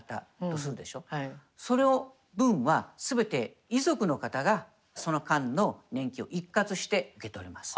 その分は全て遺族の方がその間の年金を一括して受け取れます。